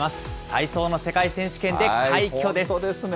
体操の世界選手権で快挙です。